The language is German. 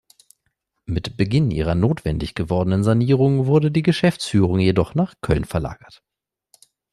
Mit Beginn ihrer notwendig gewordenen Sanierung wurde die Geschäftsführung jedoch nach Köln verlagert.